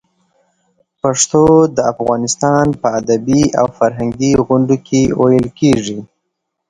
پښتو د افغانستان په ادبي او فرهنګي غونډو کې ویلې کېږي.